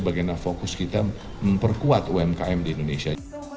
bagaimana fokus kita memperkuat umkm di indonesia